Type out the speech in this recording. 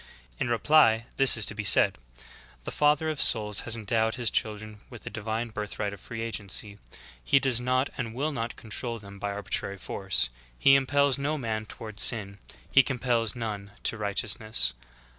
In reply this is to be said : The Father of souls has endowed His children with the divine birth right of free agency; He does not and v/ill not control them by arbitrary force; He impels no man tov/ard sin; He compels none to righteous ness.